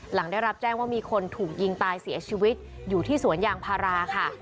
หลังได้รับแจ้งว่ามีคนถูกยิงตายเสียชีวิตอยู่ที่สวนยางพาราค่ะ